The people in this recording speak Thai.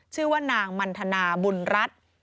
ชื่อว่านางมันทนาบุญรัฐ